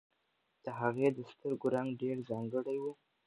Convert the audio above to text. د هغې د سترګو رنګ ډېر ځانګړی و.